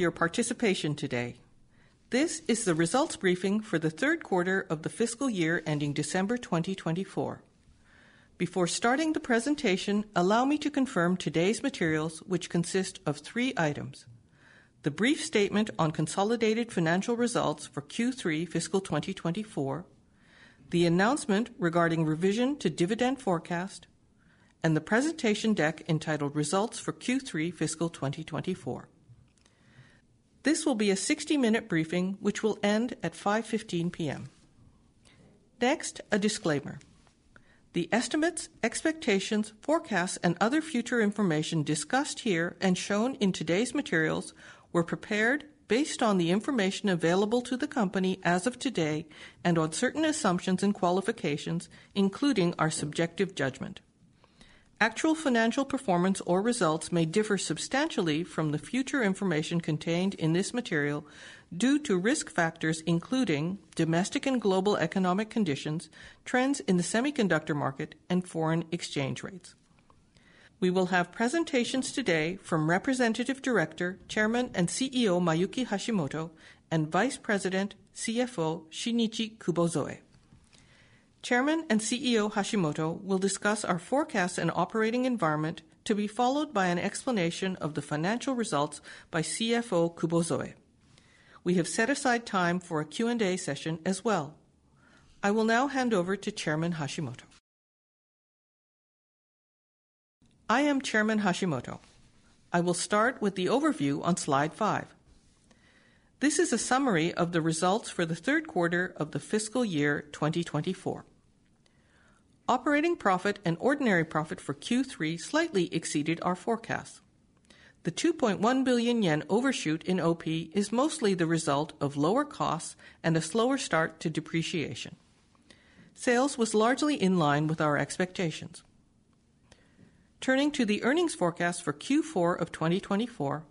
Your participation today. This is the results briefing for the third quarter of the fiscal year ending December 2024. Before starting the presentation, allow me to confirm today's materials, which consist of three items: the brief statement on consolidated financial results for Q3 fiscal 2024, the announcement regarding revision to dividend forecast, and the presentation deck entitled "Results for Q3 fiscal 2024." This will be a 60-minute briefing, which will end at 5:15 P.M. Next, a disclaimer. The estimates, expectations, forecasts, and other future information discussed here and shown in today's materials were prepared based on the information available to the company as of today and on certain assumptions and qualifications, including our subjective judgment. Actual financial performance or results may differ substantially from the future information contained in this material due to risk factors including domestic and global economic conditions, trends in the semiconductor market, and foreign exchange rates. We will have presentations today from Representative Director, Chairman, and CEO Mayuki Hashimoto and Vice President, CFO Shinichi Kubozoe. Chairman and CEO Hashimoto will discuss our forecasts and operating environment, to be followed by an explanation of the financial results by CFO Kubozoe. We have set aside time for a Q&A session as well. I will now hand over to Chairman Hashimoto. I am Chairman Hashimoto. I will start with the overview on slide 5. This is a summary of the results for the third quarter of the fiscal year 2024. Operating profit and ordinary profit for Q3 slightly exceeded our forecasts. The 2.1 billion yen overshoot in OP is mostly the result of lower costs and a slower start to depreciation. Sales was largely in line with our expectations. Turning to the earnings forecast for Q4 of 2024,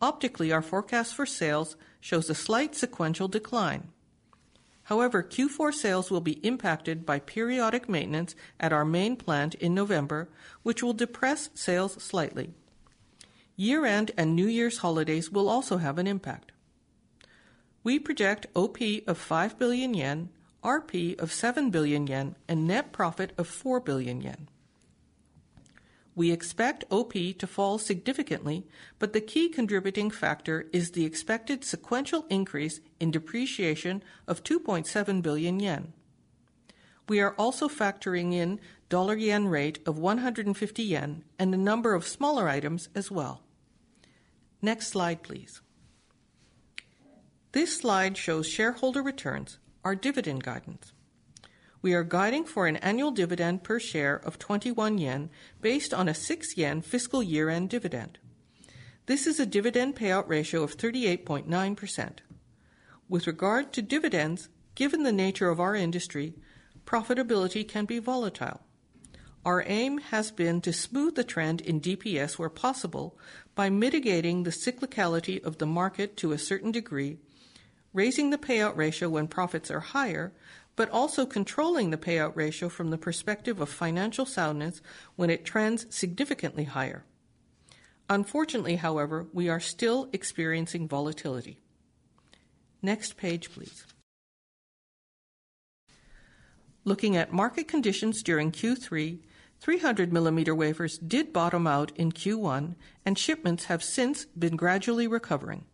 optically our forecast for sales shows a slight sequential decline. However, Q4 sales will be impacted by periodic maintenance at our main plant in November, which will depress sales slightly. Year-end and New Year's holidays will also have an impact. We project OP of 5 billion yen, RP of 7 billion yen, and net profit of 4 billion yen. We expect OP to fall significantly, but the key contributing factor is the expected sequential increase in depreciation of 2.7 billion yen. We are also factoring in dollar-yen rate of 150 yen and a number of smaller items as well. Next slide, please. This slide shows shareholder returns, our dividend guidance. We are guiding for an annual dividend per share of 21 yen based on a 6 yen fiscal year-end dividend. This is a dividend payout ratio of 38.9%. With regard to dividends, given the nature of our industry, profitability can be volatile. Our aim has been to smooth the trend in DPS where possible by mitigating the cyclicality of the market to a certain degree, raising the payout ratio when profits are higher, but also controlling the payout ratio from the perspective of financial soundness when it trends significantly higher. Unfortunately, however, we are still experiencing volatility. Next page, please. Looking at market conditions during Q3, 300 mm wafers did bottom out in Q1, and shipments have since been gradually recovering.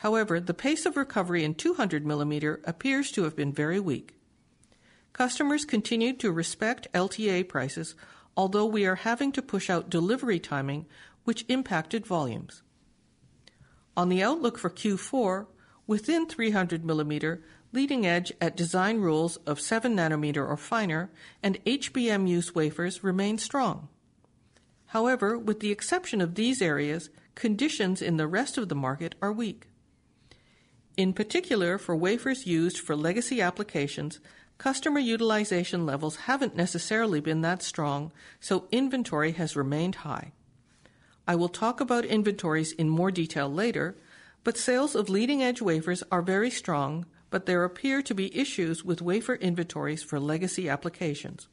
However, the pace of recovery in 200 mm appears to have been very weak. Customers continued to respect LTA prices, although we are having to push out delivery timing, which impacted volumes. On the outlook for Q4, within 300 mm, leading edge at design rules of 7 nanometer or finer and HBM use wafers remain strong. However, with the exception of these areas, conditions in the rest of the market are weak. In particular, for wafers used for legacy applications, customer utilization levels haven't necessarily been that strong, so inventory has remained high. I will talk about inventories in more detail later, but sales of leading edge wafers are very strong, but there appear to be issues with wafer inventories for legacy applications.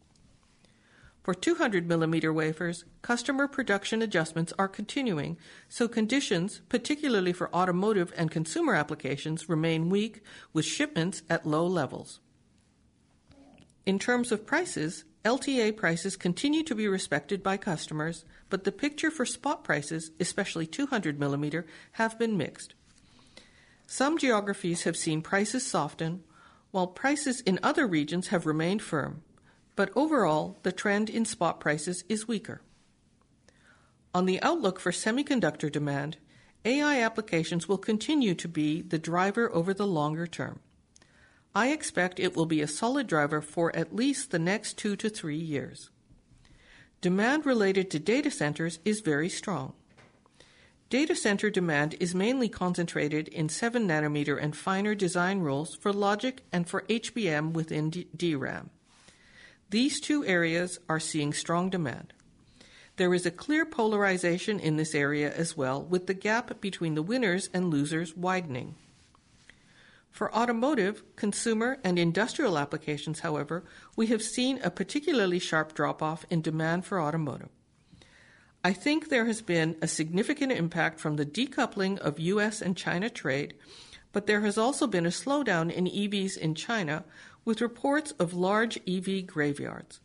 For 200 mm wafers, customer production adjustments are continuing, so conditions, particularly for automotive and consumer applications, remain weak, with shipments at low levels. In terms of prices, LTA prices continue to be respected by customers, but the picture for spot prices, especially 200 millimeter, has been mixed. Some geographies have seen prices soften, while prices in other regions have remained firm, but overall, the trend in spot prices is weaker. On the outlook for semiconductor demand, AI applications will continue to be the driver over the longer term. I expect it will be a solid driver for at least the next two to three years. Demand related to data centers is very strong. Data center demand is mainly concentrated in 7 nanometer and finer design rules for logic and for HBM within DRAM. These two areas are seeing strong demand. There is a clear polarization in this area as well, with the gap between the winners and losers widening. For automotive, consumer, and industrial applications, however, we have seen a particularly sharp drop-off in demand for automotive. I think there has been a significant impact from the decoupling of U.S. and China trade, but there has also been a slowdown in EVs in China, with reports of large EV graveyards,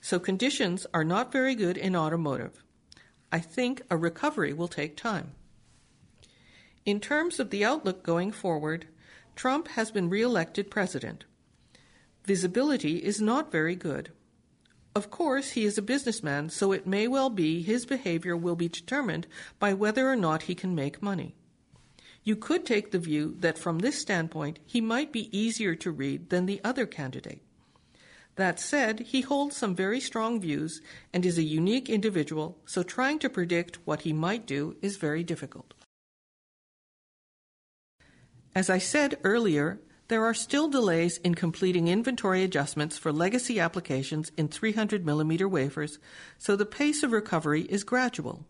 so conditions are not very good in automotive. I think a recovery will take time. In terms of the outlook going forward, Trump has been re-elected president. Visibility is not very good. Of course, he is a businessman, so it may well be his behavior will be determined by whether or not he can make money. You could take the view that from this standpoint, he might be easier to read than the other candidate. That said, he holds some very strong views and is a unique individual, so trying to predict what he might do is very difficult. As I said earlier, there are still delays in completing inventory adjustments for legacy applications in 300 mm wafers, so the pace of recovery is gradual.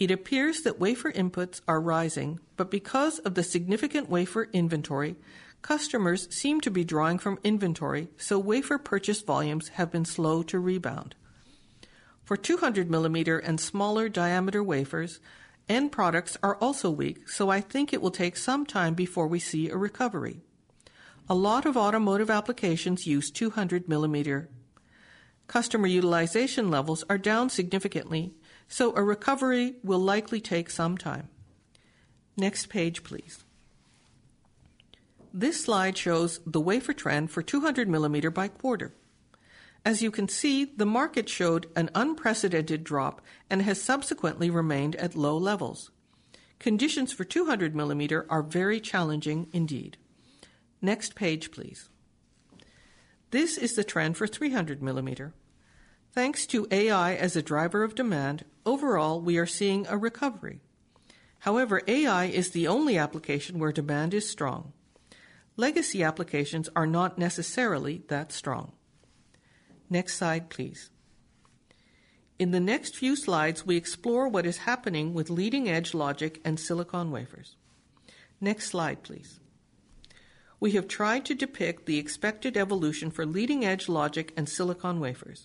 It appears that wafer inputs are rising, but because of the significant wafer inventory, customers seem to be drawing from inventory, so wafer purchase volumes have been slow to rebound. For 200 mm and smaller diameter wafers, end products are also weak, so I think it will take some time before we see a recovery. A lot of automotive applications use 200 mm. Customer utilization levels are down significantly, so a recovery will likely take some time. Next page, please. This slide shows the wafer trend for 200 mm by quarter. As you can see, the market showed an unprecedented drop and has subsequently remained at low levels. Conditions for 200 mm are very challenging indeed. Next page, please. This is the trend for 300 mm. Thanks to AI as a driver of demand, overall, we are seeing a recovery. However, AI is the only application where demand is strong. Legacy applications are not necessarily that strong. Next slide, please. In the next few slides, we explore what is happening with leading edge logic and silicon wafers. Next slide, please. We have tried to depict the expected evolution for leading edge logic and silicon wafers.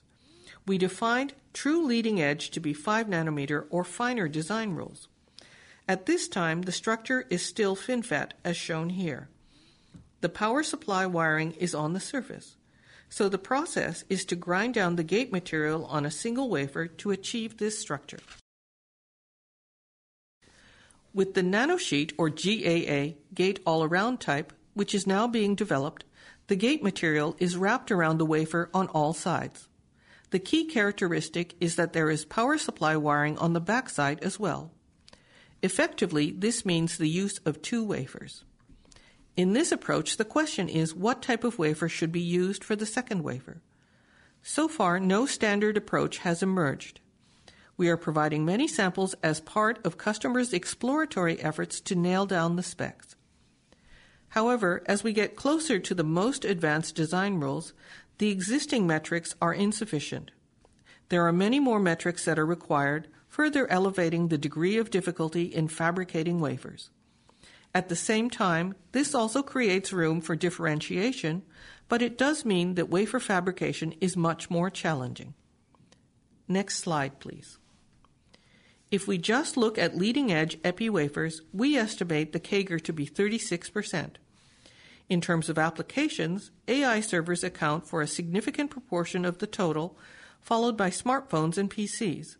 We defined true leading edge to be five-nanometer or finer design rules. At this time, the structure is still FinFET, as shown here. The power supply wiring is on the surface, so the process is to grind down the gate material on a single wafer to achieve this structure. With the nanosheet or GAA gate all-around type, which is now being developed, the gate material is wrapped around the wafer on all sides. The key characteristic is that there is power supply wiring on the backside as well. Effectively, this means the use of two wafers. In this approach, the question is, what type of wafer should be used for the second wafer? So far, no standard approach has emerged. We are providing many samples as part of customers' exploratory efforts to nail down the specs. However, as we get closer to the most advanced design rules, the existing metrics are insufficient. There are many more metrics that are required, further elevating the degree of difficulty in fabricating wafers. At the same time, this also creates room for differentiation, but it does mean that wafer fabrication is much more challenging. Next slide, please. If we just look at leading edge Epi wafers, we estimate the CAGR to be 36%. In terms of applications, AI servers account for a significant proportion of the total, followed by smartphones and PCs.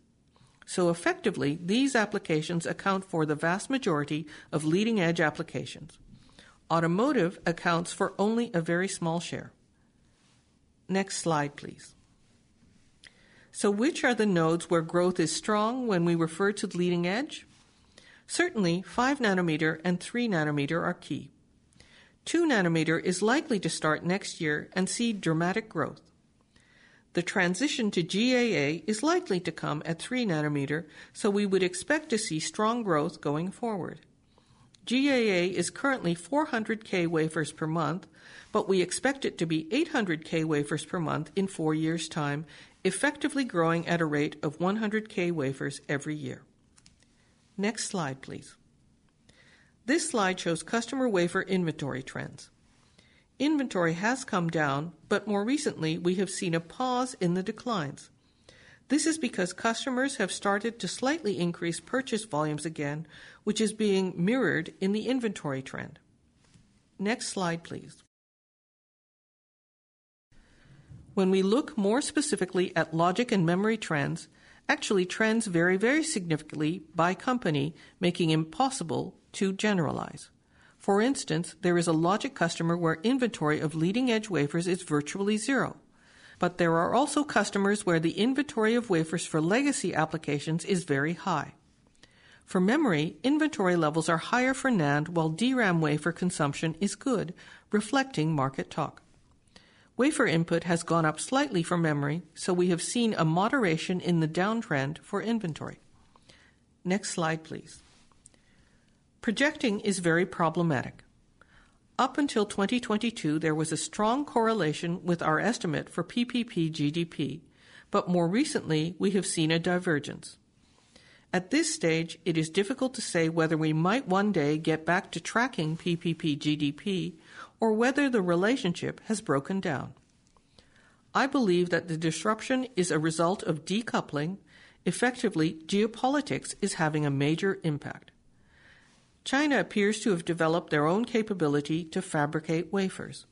So effectively, these applications account for the vast majority of leading edge applications. Automotive accounts for only a very small share. Next slide, please. So which are the nodes where growth is strong when we refer to leading edge? Certainly, 5 nanometer and 3 nanometer are key. 2 nanometer is likely to start next year and see dramatic growth. The transition to GAA is likely to come at 3 nanometer, so we would expect to see strong growth going forward. GAA is currently 400k wafers per month, but we expect it to be 800k wafers per month in four years' time, effectively growing at a rate of 100k wafers every year. Next slide, please. This slide shows customer wafer inventory trends. Inventory has come down, but more recently, we have seen a pause in the declines. This is because customers have started to slightly increase purchase volumes again, which is being mirrored in the inventory trend. Next slide, please. When we look more specifically at logic and memory trends, actually trends vary very significantly by company, making it impossible to generalize. For instance, there is a logic customer where inventory of leading edge wafers is virtually zero, but there are also customers where the inventory of wafers for legacy applications is very high. For memory, inventory levels are higher for NAND, while DRAM wafer consumption is good, reflecting market talk. Wafer input has gone up slightly for memory, so we have seen a moderation in the downtrend for inventory. Next slide, please. Projecting is very problematic. Up until 2022, there was a strong correlation with our estimate for PPP GDP, but more recently, we have seen a divergence. At this stage, it is difficult to say whether we might one day get back to tracking PPP GDP or whether the relationship has broken down. I believe that the disruption is a result of decoupling. Effectively, geopolitics is having a major impact. China appears to have developed their own capability to fabricate wafers.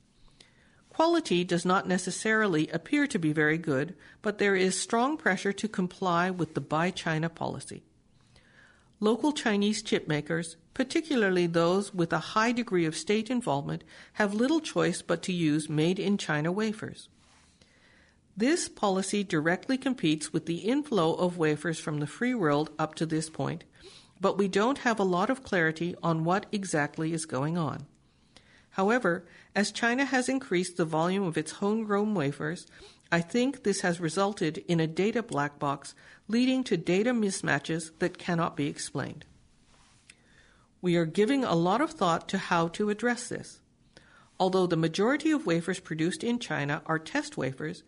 Quality does not necessarily appear to be very good, but there is strong pressure to comply with the buy China policy. Local Chinese chipmakers, particularly those with a high degree of state involvement, have little choice but to use made-in-China wafers. This policy directly competes with the inflow of wafers from the free world up to this point, but we don't have a lot of clarity on what exactly is going on. However, as China has increased the volume of its homegrown wafers, I think this has resulted in a data black box leading to data mismatches that cannot be explained. We are giving a lot of thought to how to address this. Although the majority of wafers produced in China are test wafers,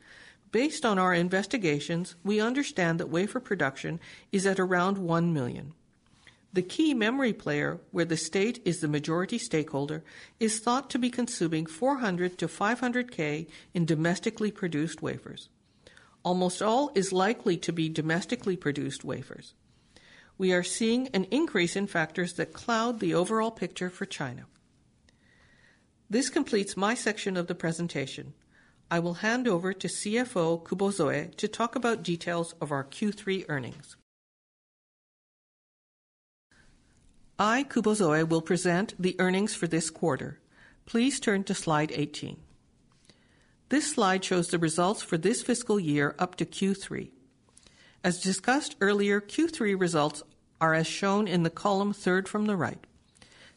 based on our investigations, we understand that wafer production is at around 1 million. The key memory player, where the state is the majority stakeholder, is thought to be consuming 400 to 500k in domestically produced wafers. Almost all is likely to be domestically produced wafers. We are seeing an increase in factors that cloud the overall picture for China. This completes my section of the presentation. I will hand over to CFO Kubozoe to talk about details of our Q3 earnings. I,Kubozoe, will present the earnings for this quarter. Please turn to slide 18. This slide shows the results for this fiscal year up to Q3. As discussed earlier, Q3 results are as shown in the column third from the right.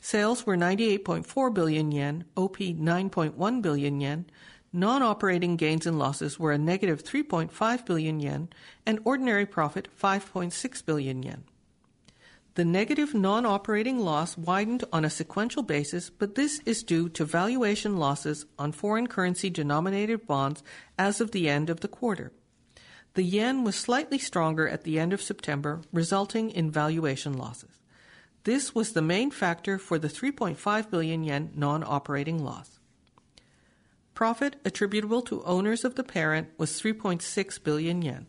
Sales were 98.4 billion yen, OP 9.1 billion yen, non-operating gains and losses were a negative 3.5 billion yen, and ordinary profit 5.6 billion yen. The negative non-operating loss widened on a sequential basis, but this is due to valuation losses on foreign currency-denominated bonds as of the end of the quarter. The yen was slightly stronger at the end of September, resulting in valuation losses. This was the main factor for the 3.5 billion yen non-operating loss. Profit attributable to owners of the parent was 3.6 billion yen.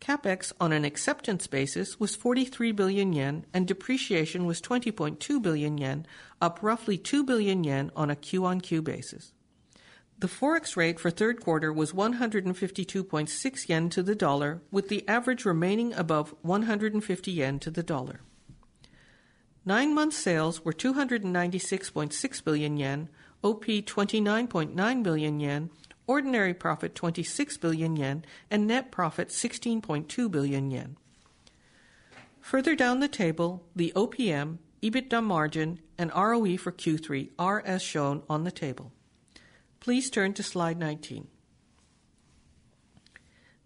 CapEx on an acceptance basis was 43 billion yen, and depreciation was 20.2 billion yen, up roughly 2 billion yen on a QoQ basis. The forex rate for third quarter was 152.6 yen to the USD, with the average remaining above 150 yen to the USD. Nine-month sales were 296.6 billion yen, OP 29.9 billion yen, ordinary profit 26 billion yen, and net profit 16.2 billion yen. Further down the table, the OPM, EBITDA margin, and ROE for Q3 are as shown on the table. Please turn to slide 19.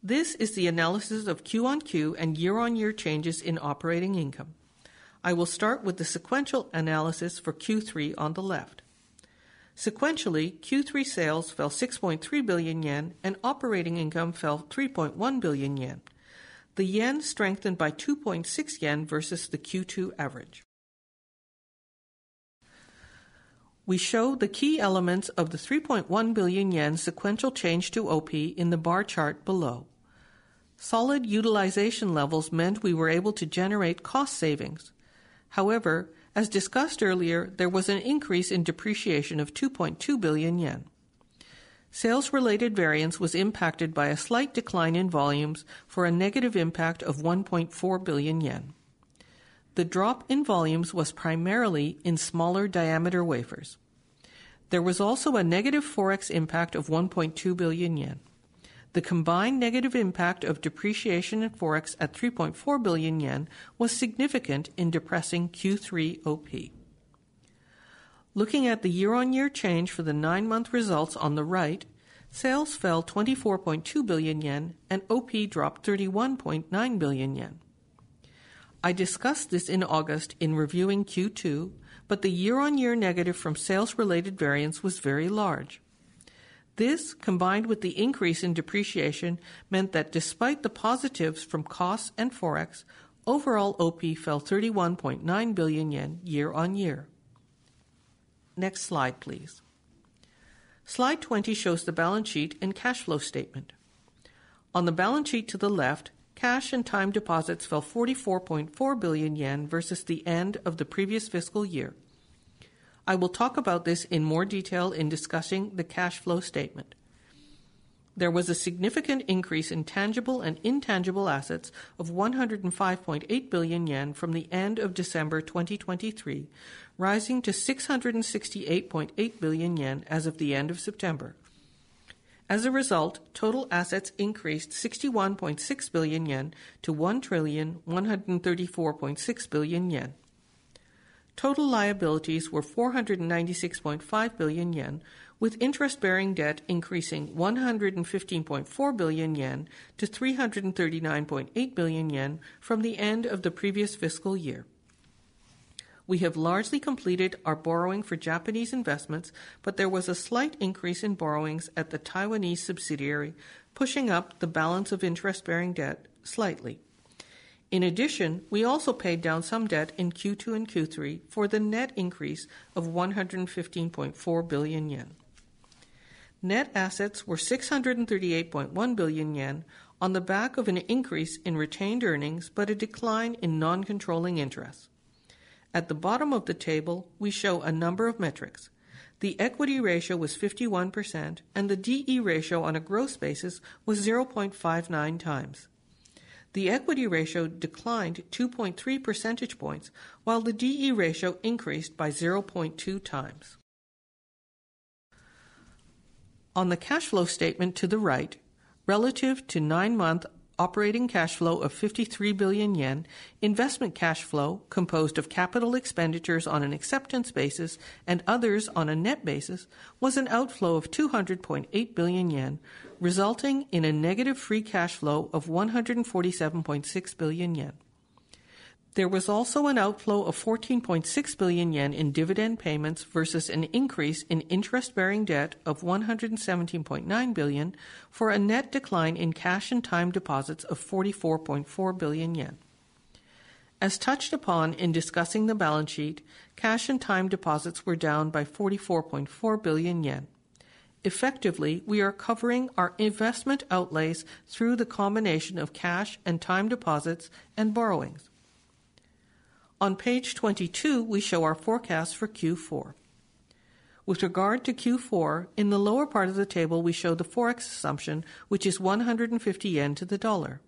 This is the analysis of QonQ and year-on-year changes in operating income. I will start with the sequential analysis for Q3 on the left. Sequentially, Q3 sales fell 6.3 billion yen, and operating income fell 3.1 billion yen. The yen strengthened by 2.6 yen versus the Q2 average. We show the key elements of the 3.1 billion yen sequential change to OP in the bar chart below. Solid utilization levels meant we were able to generate cost savings. However, as discussed earlier, there was an increase in depreciation of 2.2 billion yen. Sales-related variance was impacted by a slight decline in volumes for a negative impact of 1.4 billion yen. The drop in volumes was primarily in smaller diameter wafers. There was also a negative forex impact of 1.2 billion yen. The combined negative impact of depreciation and forex at 3.4 billion yen was significant in depressing Q3 OP. Looking at the year-on-year change for the nine-month results on the right, sales fell 24.2 billion yen, and OP dropped 31.9 billion yen. I discussed this in August in reviewing Q2, but the year-on-year negative from sales-related variance was very large. This, combined with the increase in depreciation, meant that despite the positives from costs and forex, overall OP fell 31.9 billion yen year-on-year. Next slide, please. Slide 20 shows the balance sheet and cash flow statement. On the balance sheet to the left, cash and time deposits fell 44.4 billion yen versus the end of the previous fiscal year. I will talk about this in more detail in discussing the cash flow statement. There was a significant increase in tangible and intangible assets of 105.8 billion yen from the end of December 2023, rising to 668.8 billion yen as of the end of September. As a result, total assets increased 61.6 billion yen to 1 trillion 134.6 billion. Total liabilities were 496.5 billion yen, with interest-bearing debt increasing 115.4 billion yen to 339.8 billion yen from the end of the previous fiscal year. We have largely completed our borrowing for Japanese investments, but there was a slight increase in borrowings at the Taiwanese subsidiary, pushing up the balance of interest-bearing debt slightly. In addition, we also paid down some debt in Q2 and Q3 for the net increase of 115.4 billion yen. Net assets were 638.1 billion yen on the back of an increase in retained earnings, but a decline in non-controlling interest. At the bottom of the table, we show a number of metrics. The equity ratio was 51%, and the D/E ratio on a gross basis was 0.59 times. The equity ratio declined 2.3 percentage points, while the D/E ratio increased by 0.2 times. On the cash flow statement to the right, relative to nine-month operating cash flow of 53 billion yen, investment cash flow composed of capital expenditures on an acceptance basis and others on a net basis was an outflow of 200.8 billion yen, resulting in a negative free cash flow of 147.6 billion yen. There was also an outflow of 14.6 billion yen in dividend payments versus an increase in interest-bearing debt of 117.9 billion JPY for a net decline in cash and time deposits of 44.4 billion yen. As touched upon in discussing the balance sheet, cash and time deposits were down by 44.4 billion yen. Effectively, we are covering our investment outlays through the combination of cash and time deposits and borrowings. On page 22, we show our forecast for Q4. With regard to Q4, in the lower part of the table, we show the forex assumption, which is 150 yen to the dollar.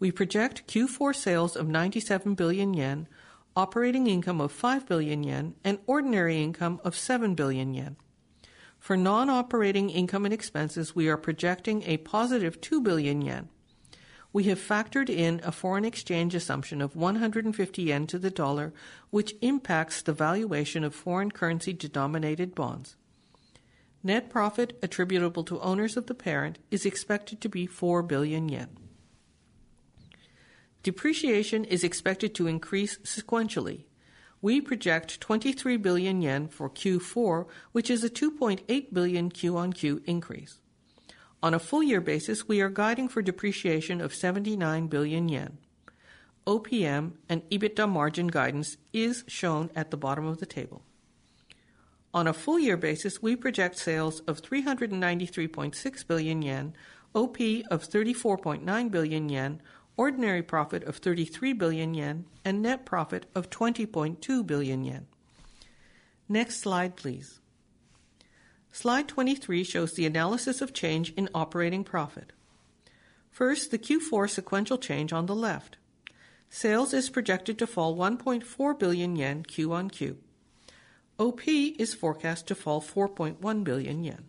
We project Q4 sales of 97 billion yen, operating income of 5 billion yen, and ordinary income of 7 billion yen. For non-operating income and expenses, we are projecting a positive 2 billion yen. We have factored in a foreign exchange assumption of 150 yen to the dollar, which impacts the valuation of foreign currency-denominated bonds. Net profit attributable to owners of the parent is expected to be 4 billion yen. Depreciation is expected to increase sequentially. We project 23 billion yen for Q4, which is a 2.8 billion Q on Q increase. On a full-year basis, we are guiding for depreciation of 79 billion yen. OPM and EBITDA margin guidance is shown at the bottom of the table. On a full-year basis, we project sales of 393.6 billion yen, OP of 34.9 billion yen, ordinary profit of 33 billion yen, and net profit of 20.2 billion yen. Next slide, please. Slide 23 shows the analysis of change in operating profit. First, the Q4 sequential change on the left. Sales is projected to fall 1.4 billion yen QonQ. OP is forecast to fall 4.1 billion yen.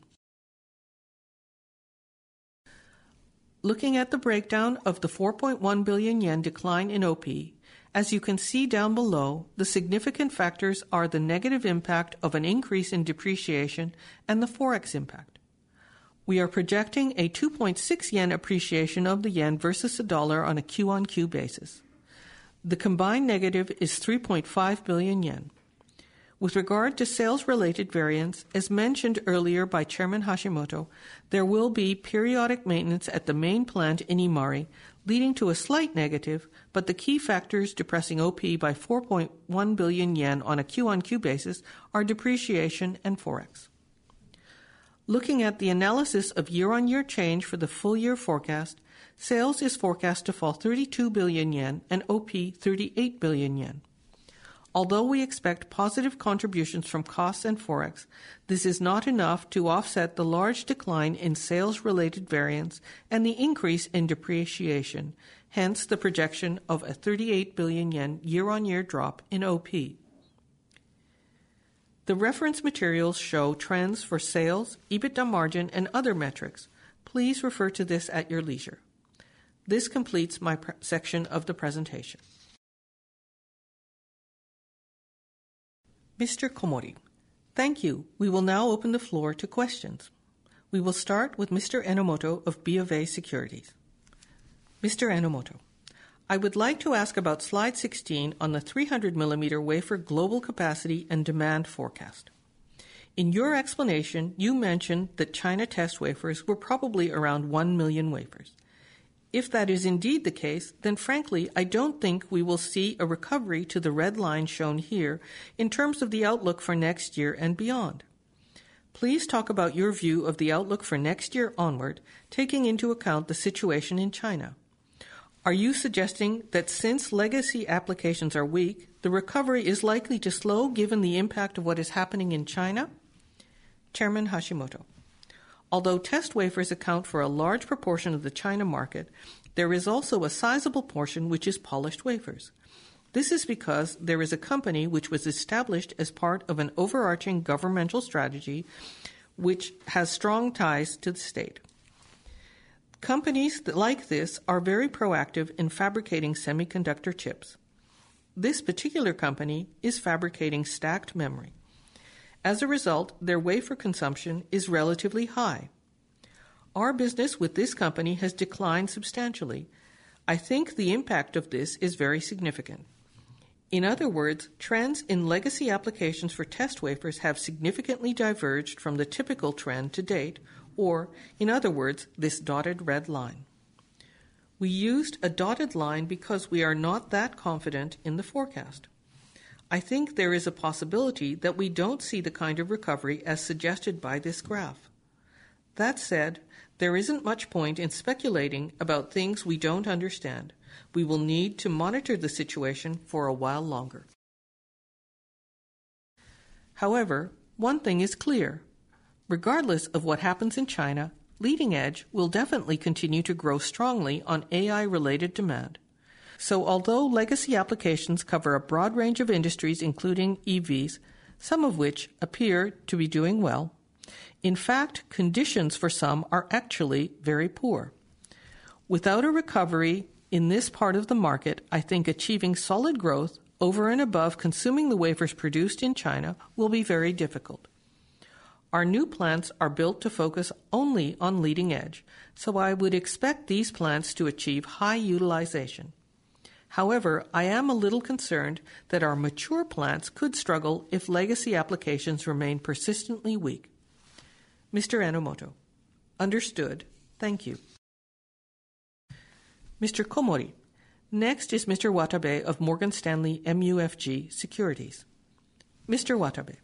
Looking at the breakdown of the 4.1 billion yen decline in OP, as you can see down below, the significant factors are the negative impact of an increase in depreciation and the forex impact. We are projecting a 2.6 yen appreciation of the yen versus the dollar on a QonQ basis. The combined negative is 3.5 billion yen. With regard to sales-related variance, as mentioned earlier by Chairman Hashimoto, there will be periodic maintenance at the main plant in Imari, leading to a slight negative, but the key factors depressing OP by 4.1 billion yen on a QonQ basis are depreciation and forex. Looking at the analysis of year-on-year change for the full-year forecast, sales is forecast to fall 32 billion yen and OP 38 billion yen. Although we expect positive contributions from costs and forex, this is not enough to offset the large decline in sales-related variance and the increase in depreciation, hence the projection of a 38 billion yen year-on-year drop in OP. The reference materials show trends for sales, EBITDA margin, and other metrics. Please refer to this at your leisure. This completes my section of the presentation. Mr. Komori, thank you. We will now open the floor to questions. We will start with Mr. Enomoto of BofA Securities. Mr. Enomoto, I would like to ask about slide 16 on the 300 mm wafer global capacity and demand forecast. In your explanation, you mentioned that China test wafers were probably around 1 million wafers. If that is indeed the case, then frankly, I don't think we will see a recovery to the red line shown here in terms of the outlook for next year and beyond. Please talk about your view of the outlook for next year onward, taking into account the situation in China. Are you suggesting that since legacy applications are weak, the recovery is likely to slow given the impact of what is happening in China? Chairman Hashimoto, although test wafers account for a large proportion of the China market, there is also a sizable portion which is polished wafers. This is because there is a company which was established as part of an overarching governmental strategy which has strong ties to the state. Companies like this are very proactive in fabricating semiconductor chips. This particular company is fabricating stacked memory. As a result, their wafer consumption is relatively high. Our business with this company has declined substantially. I think the impact of this is very significant. In other words, trends in legacy applications for test wafers have significantly diverged from the typical trend to date, or in other words, this dotted red line. We used a dotted line because we are not that confident in the forecast. I think there is a possibility that we don't see the kind of recovery as suggested by this graph. That said, there isn't much point in speculating about things we don't understand. We will need to monitor the situation for a while longer. However, one thing is clear. Regardless of what happens in China, leading edge will definitely continue to grow strongly on AI-related demand. So although legacy applications cover a broad range of industries, including EVs, some of which appear to be doing well, in fact, conditions for some are actually very poor. Without a recovery in this part of the market, I think achieving solid growth over and above consuming the wafers produced in China will be very difficult. Our new plants are built to focus only on leading edge, so I would expect these plants to achieve high utilization. However, I am a little concerned that our mature plants could struggle if legacy applications remain persistently weak. Mr. Enomoto, understood. Thank you. Mr. Komori, next is Mr. Watabe of Morgan Stanley MUFG Securities. Mr. Watabe,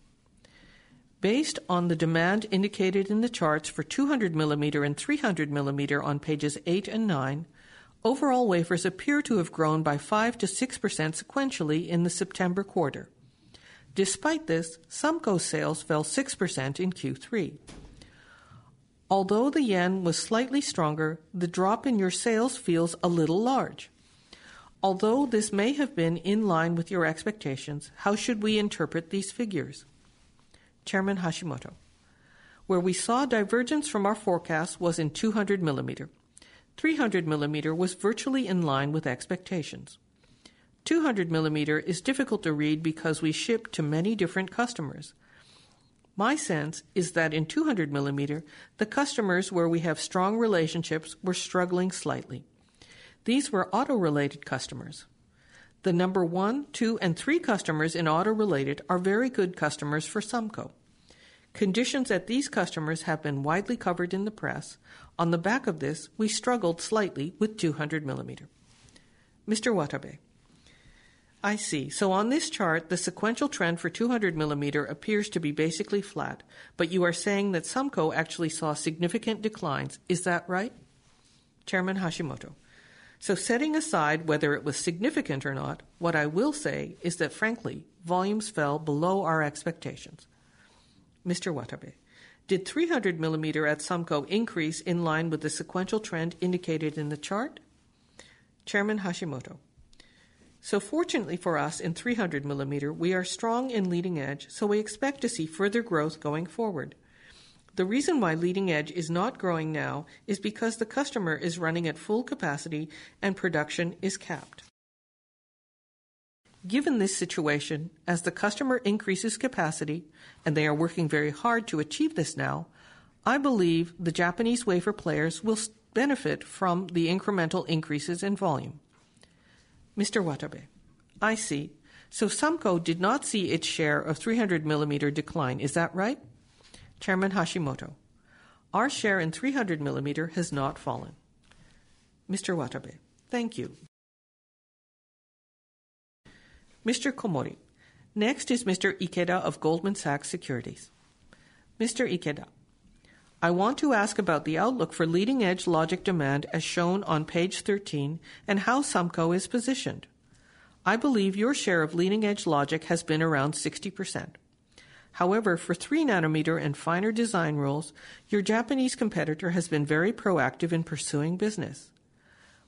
based on the demand indicated in the charts for 200 mm and 300 mm on pages 8 and 9, overall wafers appear to have grown by 5-6% sequentially in the September quarter. Despite this, SUMCO's sales fell 6% in Q3. Although the yen was slightly stronger, the drop in your sales feels a little large. Although this may have been in line with your expectations, how should we interpret these figures? Chairman Hashimoto, where we saw divergence from our forecast was in 200 mm. 300 mm was virtually in line with expectations. 200 mm is difficult to read because we ship to many different customers. My sense is that in 200 mm, the customers where we have strong relationships were struggling slightly. These were auto-related customers. The number one, two, and three customers in auto-related are very good customers for SUMCO. Conditions at these customers have been widely covered in the press. On the back of this, we struggled slightly with 200 mm. Mr. Watabe, I see. So on this chart, the sequential trend for 200 mm appears to be basically flat, but you are saying that SUMCO actually saw significant declines. Is that right? Chairman Hashimoto, so setting aside whether it was significant or not, what I will say is that frankly, volumes fell below our expectations. Mr. Watabe, did 300 mm at SUMCO increase in line with the sequential trend indicated in the chart? Chairman Hashimoto, so fortunately for us in 300 mm, we are strong in leading edge, so we expect to see further growth going forward. The reason why leading edge is not growing now is because the customer is running at full capacity and production is capped. Given this situation, as the customer increases capacity and they are working very hard to achieve this now, I believe the Japanese wafer players will benefit from the incremental increases in volume. Mr. Watabe, I see. So SUMCO did not see its share of 300 mm decline. Is that right? Chairman Hashimoto, our share in 300 mm has not fallen. Mr. Watabe, thank you. Mr. Komori, next is Mr. Ikeda of Goldman Sachs. Mr. Ikeda, I want to ask about the outlook for leading edge logic demand as shown on page 13 and how SUMCO is positioned. I believe your share of leading edge logic has been around 60%. However, for three-nanometer and finer design rules, your Japanese competitor has been very proactive in pursuing business.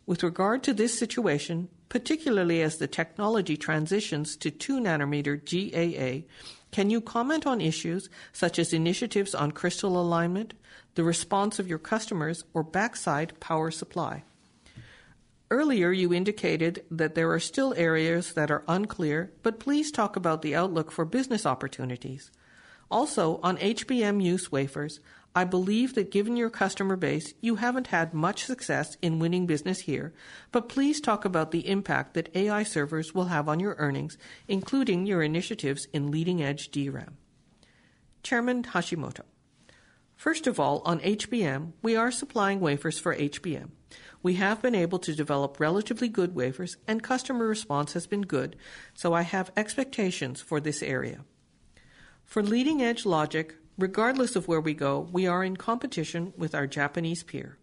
With regard to this situation, particularly as the technology transitions to 2-nm GAA, can you comment on issues such as initiatives on crystal alignment, the response of your customers, or backside power supply? Earlier, you indicated that there are still areas that are unclear, but please talk about the outlook for business opportunities. Also, on HBM-use wafers, I believe that given your customer base, you haven't had much success in winning business here, but please talk about the impact that AI servers will have on your earnings, including your initiatives in leading-edge DRAM. Chairman Hashimoto, first of all, on HBM, we are supplying wafers for HBM. We have been able to develop relatively good wafers, and customer response has been good, so I have expectations for this area. For leading-edge logic, regardless of where we go, we are in competition with our Japanese peer.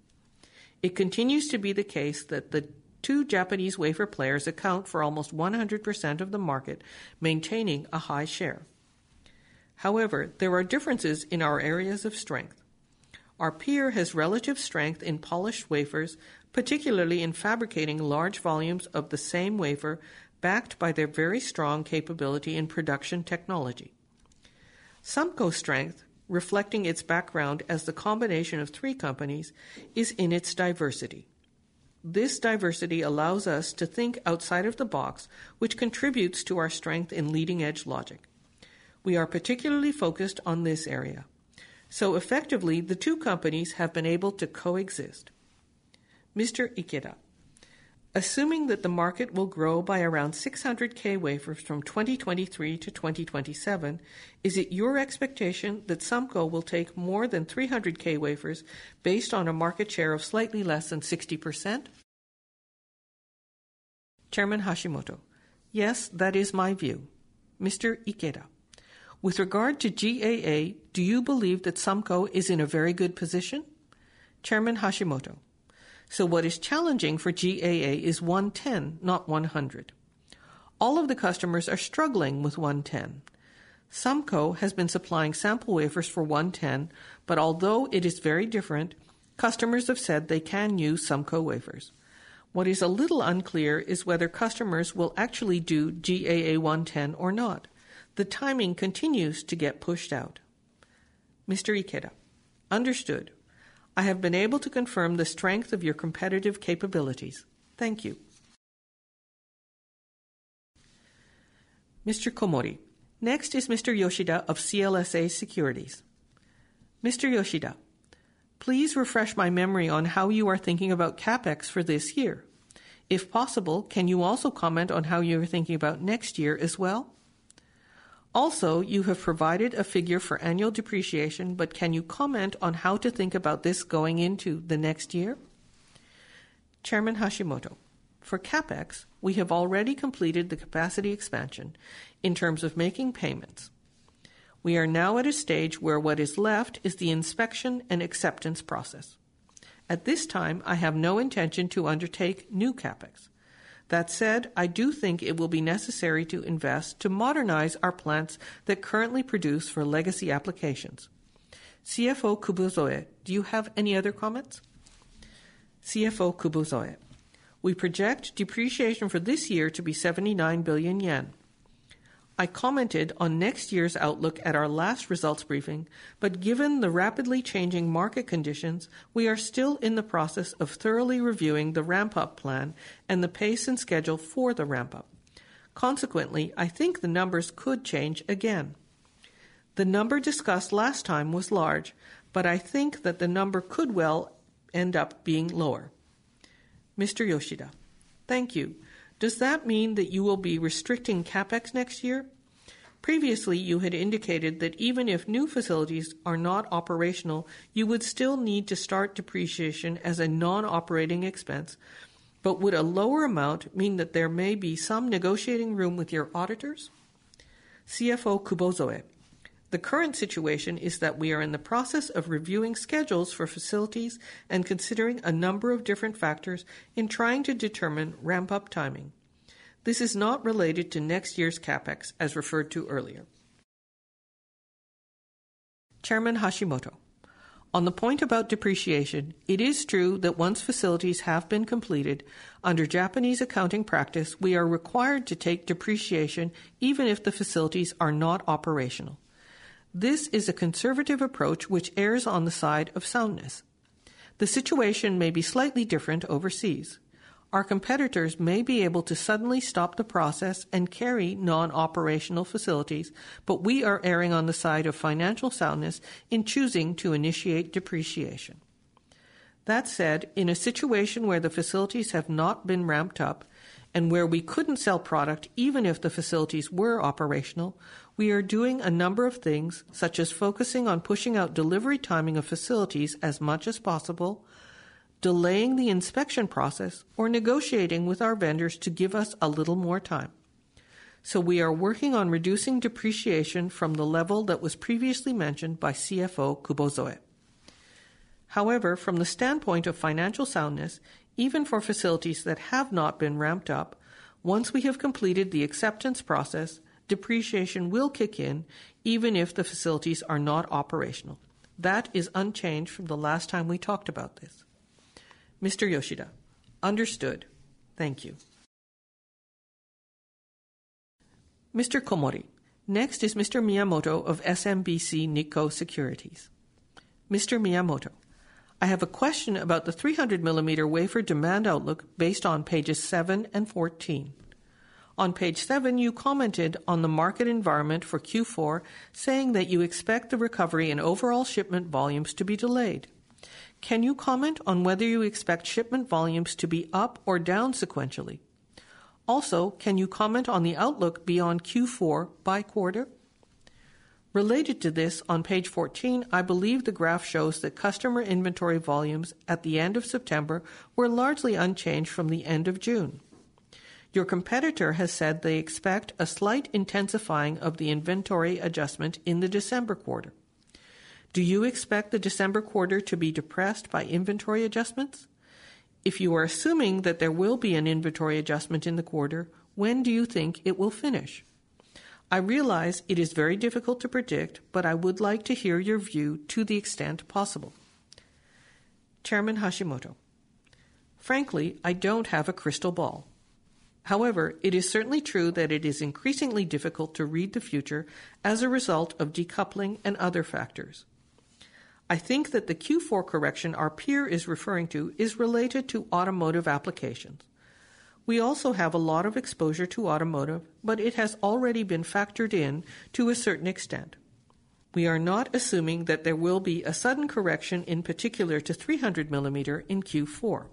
It continues to be the case that the two Japanese wafer players account for almost 100% of the market, maintaining a high share. However, there are differences in our areas of strength. Our peer has relative strength in polished wafers, particularly in fabricating large volumes of the same wafer backed by their very strong capability in production technology. SUMCO's strength, reflecting its background as the combination of three companies, is in its diversity. This diversity allows us to think outside of the box, which contributes to our strength in leading edge logic. We are particularly focused on this area. So effectively, the two companies have been able to coexist. Mr. Ikeda, assuming that the market will grow by around 600K wafers from 2023 to 2027, is it your expectation that SUMCO will take more than 300K wafers based on a market share of slightly less than 60%? Chairman Hashimoto, yes, that is my view. Mr. Ikeda, with regard to GAA, do you believe that SUMCO is in a very good position? Chairman Hashimoto, so what is challenging for GAA is 110, not 100. All of the customers are struggling with 110. SUMCO has been supplying sample wafers for 110, but although it is very different, customers have said they can use SUMCO wafers. What is a little unclear is whether customers will actually do GAA 110 or not. The timing continues to get pushed out. Mr. Ikeda, understood. I have been able to confirm the strength of your competitive capabilities. Thank you. Mr. Komori, next is Mr. Yoshida of CLSA Securities. Mr. Yoshida, please refresh my memory on how you are thinking about CapEx for this year. If possible, can you also comment on how you are thinking about next year as well? Also, you have provided a figure for annual depreciation, but can you comment on how to think about this going into the next year? Chairman Hashimoto, for CapEx, we have already completed the capacity expansion in terms of making payments. We are now at a stage where what is left is the inspection and acceptance process. At this time, I have no intention to undertake new CapEx. That said, I do think it will be necessary to invest to modernize our plants that currently produce for legacy applications. CFO Kubozoe, do you have any other comments? CFO Kubozoe, we project depreciation for this year to be 79 billion yen. I commented on next year's outlook at our last results briefing, but given the rapidly changing market conditions, we are still in the process of thoroughly reviewing the ramp-up plan and the pace and schedule for the ramp-up. Consequently, I think the numbers could change again. The number discussed last time was large, but I think that the number could well end up being lower. Mr. Yoshida, thank you. Does that mean that you will be restricting CapEx next year? Previously, you had indicated that even if new facilities are not operational, you would still need to start depreciation as a non-operating expense, but would a lower amount mean that there may be some negotiating room with your auditors? CFO Kubozoe, the current situation is that we are in the process of reviewing schedules for facilities and considering a number of different factors in trying to determine ramp-up timing. This is not related to next year's CapEx, as referred to earlier. Chairman Hashimoto, on the point about depreciation, it is true that once facilities have been completed, under Japanese accounting practice, we are required to take depreciation even if the facilities are not operational. This is a conservative approach which errs on the side of soundness. The situation may be slightly different overseas. Our competitors may be able to suddenly stop the process and carry non-operational facilities, but we are erring on the side of financial soundness in choosing to initiate depreciation. That said, in a situation where the facilities have not been ramped up and where we couldn't sell product even if the facilities were operational, we are doing a number of things, such as focusing on pushing out delivery timing of facilities as much as possible, delaying the inspection process, or negotiating with our vendors to give us a little more time. So we are working on reducing depreciation from the level that was previously mentioned by CFO Kubozoe. However, from the standpoint of financial soundness, even for facilities that have not been ramped up, once we have completed the acceptance process, depreciation will kick in even if the facilities are not operational. That is unchanged from the last time we talked about this. Mr. Yoshida, understood. Thank you. Mr. Komori, next is Mr. Miyamoto of SMBC Nikko Securities. Mr. Miyamoto, I have a question about the 300-millimeter wafer demand outlook based on pages 7 and 14. On page 7, you commented on the market environment for Q4, saying that you expect the recovery in overall shipment volumes to be delayed. Can you comment on whether you expect shipment volumes to be up or down sequentially? Also, can you comment on the outlook beyond Q4 by quarter? Related to this, on page 14, I believe the graph shows that customer inventory volumes at the end of September were largely unchanged from the end of June. Your competitor has said they expect a slight intensifying of the inventory adjustment in the December quarter. Do you expect the December quarter to be depressed by inventory adjustments? If you are assuming that there will be an inventory adjustment in the quarter, when do you think it will finish? I realize it is very difficult to predict, but I would like to hear your view to the extent possible. Chairman Hashimoto, frankly, I don't have a crystal ball. However, it is certainly true that it is increasingly difficult to read the future as a result of decoupling and other factors. I think that the Q4 correction our peer is referring to is related to automotive applications. We also have a lot of exposure to automotive, but it has already been factored in to a certain extent. We are not assuming that there will be a sudden correction in particular to 300-millimeter in Q4.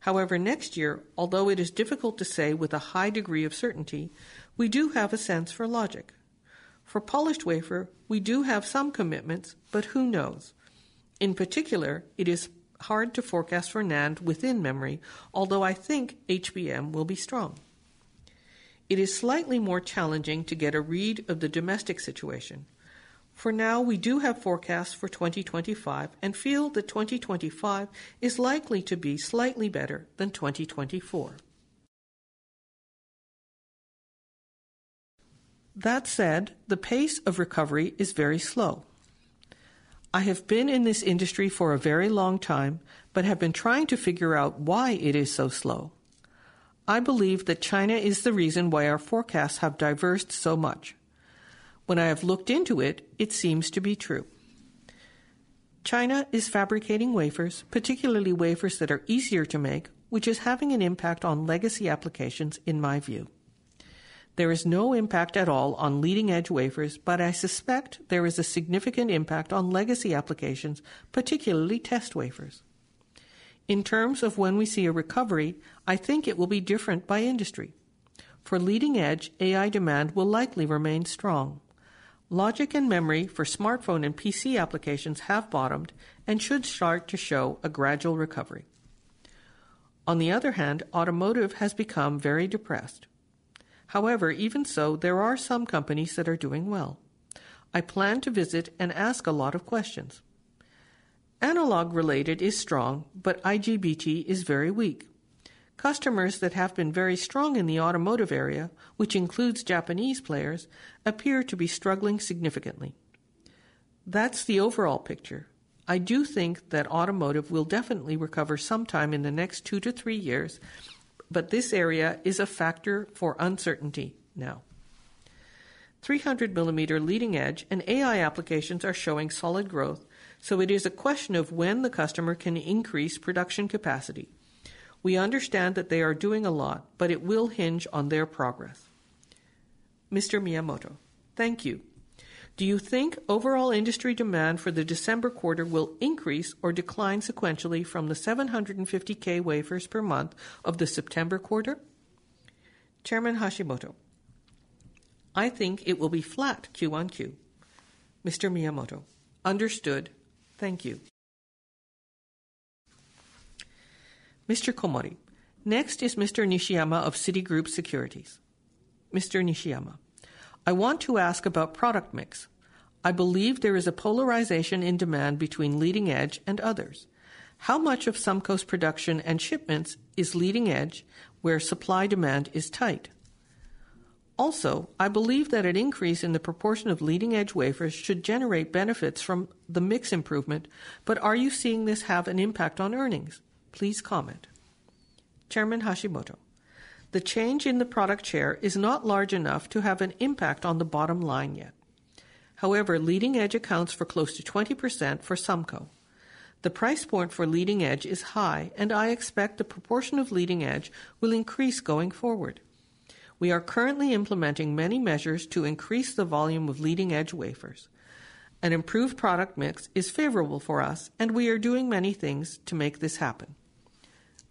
However, next year, although it is difficult to say with a high degree of certainty, we do have a sense for logic. For polished wafer, we do have some commitments, but who knows? In particular, it is hard to forecast for NAND within memory, although I think HBM will be strong. It is slightly more challenging to get a read of the domestic situation. For now, we do have forecasts for 2025 and feel that 2025 is likely to be slightly better than 2024. That said, the pace of recovery is very slow. I have been in this industry for a very long time but have been trying to figure out why it is so slow. I believe that China is the reason why our forecasts have diverged so much. When I have looked into it, it seems to be true. China is fabricating wafers, particularly wafers that are easier to make, which is having an impact on legacy applications in my view. There is no impact at all on leading edge wafers, but I suspect there is a significant impact on legacy applications, particularly test wafers. In terms of when we see a recovery, I think it will be different by industry. For leading edge, AI demand will likely remain strong. Logic and memory for smartphone and PC applications have bottomed and should start to show a gradual recovery. On the other hand, automotive has become very depressed. However, even so, there are some companies that are doing well. I plan to visit and ask a lot of questions. Analog related is strong, but IGBT is very weak. Customers that have been very strong in the automotive area, which includes Japanese players, appear to be struggling significantly. That's the overall picture. I do think that automotive will definitely recover sometime in the next two to three years, but this area is a factor for uncertainty now. 300 mm leading edge and AI applications are showing solid growth, so it is a question of when the customer can increase production capacity. We understand that they are doing a lot, but it will hinge on their progress. Mr. Miyamoto, thank you. Do you think overall industry demand for the December quarter will increase or decline sequentially from the 750K wafers per month of the September quarter? Chairman Hashimoto, I think it will be flat QonQ. Mr. Miyamoto, understood. Thank you. Mr. Komori, next is Mr. Nishiyama of Citigroup Securities. Mr. Nishiyama, I want to ask about product mix. I believe there is a polarization in demand between leading edge and others. How much of SUMCO's production and shipments is leading edge where supply demand is tight? Also, I believe that an increase in the proportion of leading edge wafers should generate benefits from the mix improvement, but are you seeing this have an impact on earnings? Please comment. Chairman Hashimoto, the change in the product share is not large enough to have an impact on the bottom line yet. However, leading edge accounts for close to 20% for SUMCO. The price point for leading edge is high, and I expect the proportion of leading edge will increase going forward. We are currently implementing many measures to increase the volume of leading edge wafers. An improved product mix is favorable for us, and we are doing many things to make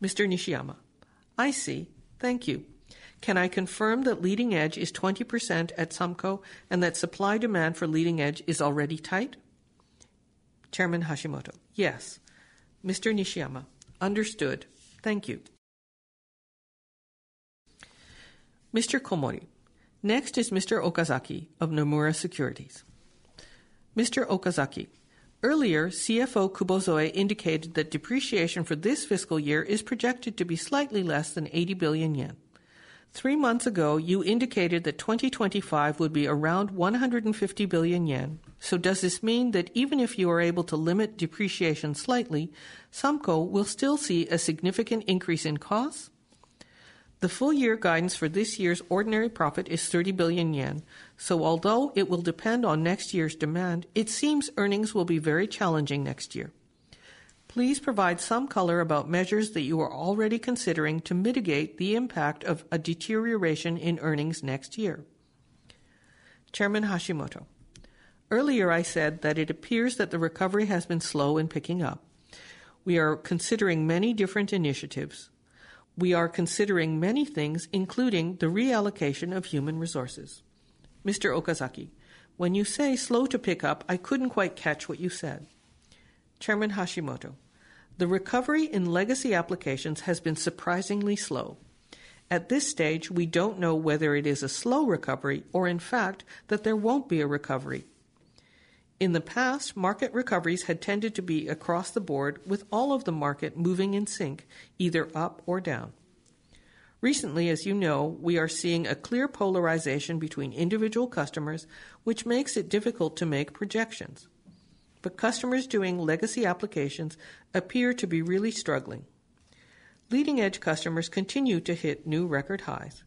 this happen. Mr. Nishiyama, I see. Thank you. Can I confirm that leading edge is 20% at SUMCO and that supply demand for leading edge is already tight? Chairman Hashimoto, yes. Mr. Nishiyama, understood. Thank you. Mr. Komori, next is Mr. Okazaki of Nomura Securities. Mr. Okazaki, earlier, CFO Kubozoe indicated that depreciation for this fiscal year is projected to be slightly less than 80 billion yen. Three months ago, you indicated that 2025 would be around 150 billion yen. So does this mean that even if you are able to limit depreciation slightly, SUMCO will still see a significant increase in cost? The full year guidance for this year's ordinary profit is 30 billion yen. So although it will depend on next year's demand, it seems earnings will be very challenging next year. Please provide some color about measures that you are already considering to mitigate the impact of a deterioration in earnings next year. Chairman Hashimoto, earlier I said that it appears that the recovery has been slow in picking up. We are considering many different initiatives. We are considering many things, including the reallocation of human resources. Mr. Okazaki, when you say slow to pick up, I couldn't quite catch what you said. Chairman Hashimoto, the recovery in legacy applications has been surprisingly slow. At this stage, we don't know whether it is a slow recovery or, in fact, that there won't be a recovery. In the past, market recoveries had tended to be across the board with all of the market moving in sync, either up or down. Recently, as you know, we are seeing a clear polarization between individual customers, which makes it difficult to make projections. But customers doing legacy applications appear to be really struggling. Leading edge customers continue to hit new record highs.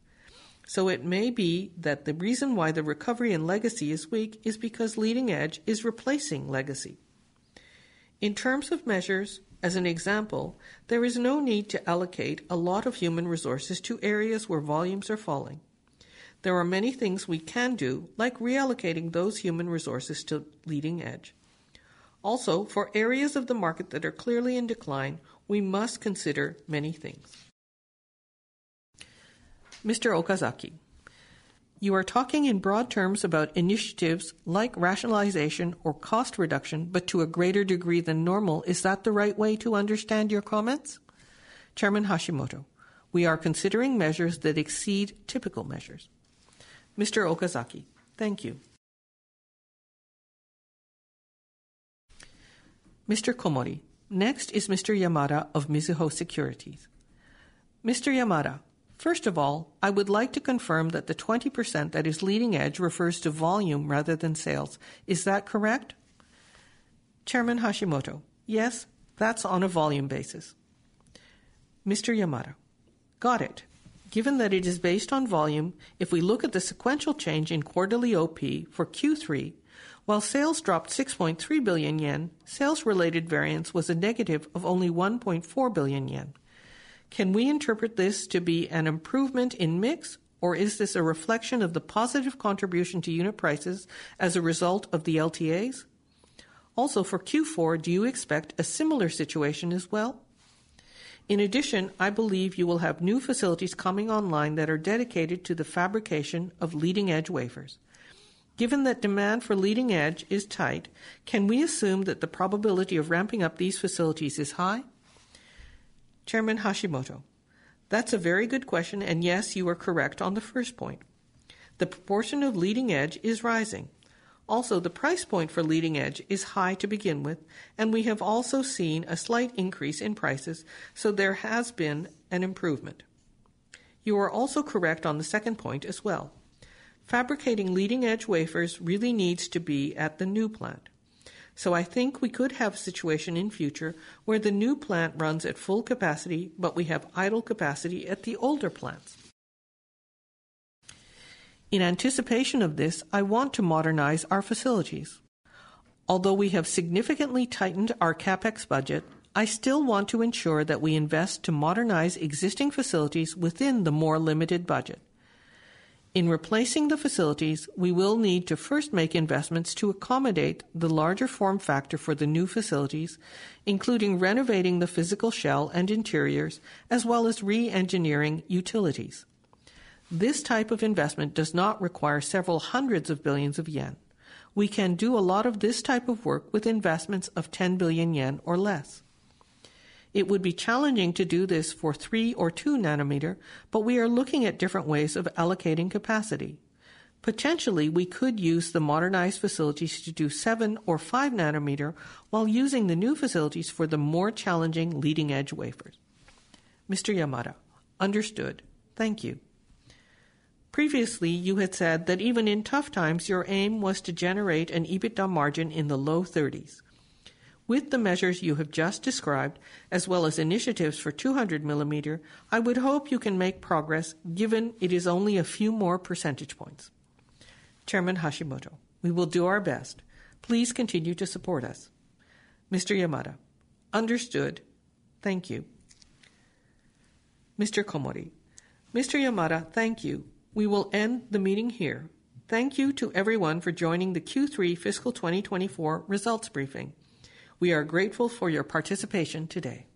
So it may be that the reason why the recovery in legacy is weak is because leading edge is replacing legacy. In terms of measures, as an example, there is no need to allocate a lot of human resources to areas where volumes are falling. There are many things we can do, like reallocating those human resources to leading edge. Also, for areas of the market that are clearly in decline, we must consider many things. Mr. Okazaki, you are talking in broad terms about initiatives like rationalization or cost reduction, but to a greater degree than normal. Is that the right way to understand your comments? Chairman Hashimoto, we are considering measures that exceed typical measures. Mr. Okazaki, thank you. Mr. Komori, next is Mr. Yamada of Mizuho Securities. Mr. Yamada, first of all, I would like to confirm that the 20% that is leading edge refers to volume rather than sales. Is that correct? Chairman Hashimoto, yes, that's on a volume basis. Mr. Yamada, got it. Given that it is based on volume, if we look at the sequential change in quarterly OP for Q3, while sales dropped 6.3 billion yen, sales-related variance was a negative of only 1.4 billion yen. Can we interpret this to be an improvement in mix, or is this a reflection of the positive contribution to unit prices as a result of the LTAs? Also, for Q4, do you expect a similar situation as well? In addition, I believe you will have new facilities coming online that are dedicated to the fabrication of leading edge wafers. Given that demand for leading edge is tight, can we assume that the probability of ramping up these facilities is high? Chairman Hashimoto, that's a very good question, and yes, you are correct on the first point. The proportion of leading edge is rising. Also, the price point for leading edge is high to begin with, and we have also seen a slight increase in prices, so there has been an improvement. You are also correct on the second point as well. Fabricating leading edge wafers really needs to be at the new plant. So I think we could have a situation in future where the new plant runs at full capacity, but we have idle capacity at the older plants. In anticipation of this, I want to modernize our facilities. Although we have significantly tightened our CapEx budget, I still want to ensure that we invest to modernize existing facilities within the more limited budget. In replacing the facilities, we will need to first make investments to accommodate the larger form factor for the new facilities, including renovating the physical shell and interiors, as well as re-engineering utilities. This type of investment does not require several hundreds of billions of JPY. We can do a lot of this type of work with investments of 10 billion yen or less. It would be challenging to do this for 3 or 2 nanometers, but we are looking at different ways of allocating capacity. Potentially, we could use the modernized facilities to do 7 or 5 nanometers while using the new facilities for the more challenging leading edge wafers. Mr. Yamada, understood. Thank you. Previously, you had said that even in tough times, your aim was to generate an EBITDA margin in the low 30s. With the measures you have just described, as well as initiatives for 200 mm I would hope you can make progress given it is only a few more percentage points. Chairman Hashimoto, we will do our best. Please continue to support us. Mr. Yamada, understood. Thank you. Mr. Komori, Mr. Yamada, thank you. We will end the meeting here. Thank you to everyone for joining the Q3 Fiscal 2024 results briefing. We are grateful for your participation today.